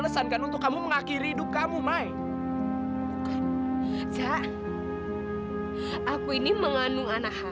sampai jumpa di video selanjutnya